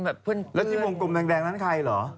แล้วที่วงกลมแดงนั้นใครหรอ